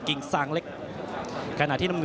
กิงสังเล็ก